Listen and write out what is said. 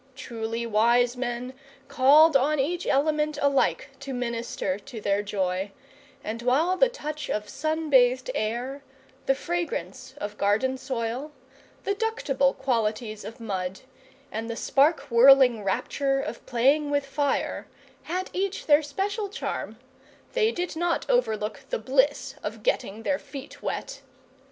Truly wise men called on each element alike to minister to their joy, and while the touch of sun bathed air, the fragrance of garden soil, the ductible qualities of mud, and the spark whirling rapture of playing with fire, had each their special charm, they did not overlook the bliss of getting their feet wet.